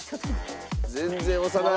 全然押さない。